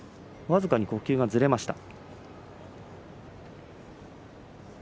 僅かに呼吸がずれました。